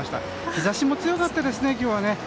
日差しも強かったですね、今日は。